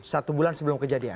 satu bulan sebelum kejadian